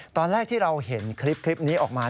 ตอนแรกที่เราเห็นคลิปนี้ออกมา